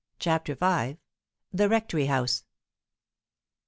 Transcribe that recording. CHAPTER V. THE RECTORY HOUSE.